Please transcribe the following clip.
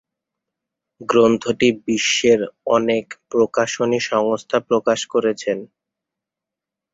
গ্রন্থটি বিশ্বের অনেক প্রকাশনী সংস্থা প্রকাশ করেছেন।